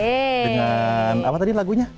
dengan apa tadi lagunya